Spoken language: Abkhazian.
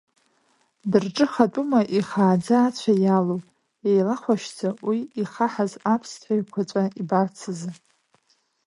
Дырҿыхатәума ихааӡа ацәа иалоу, еилахәашьӡа уи ихаҳаз аԥсҭҳәа еиқәаҵәа ибарц азы?